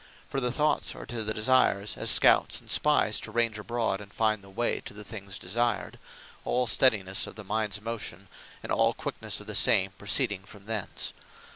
For the Thoughts, are to the Desires, as Scouts, and Spies, to range abroad, and find the way to the things Desired: All Stedinesse of the minds motion, and all quicknesse of the same, proceeding from thence.